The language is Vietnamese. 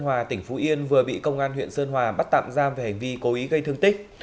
hòa tỉnh phú yên vừa bị công an huyện sơn hòa bắt tạm giam về hành vi cố ý gây thương tích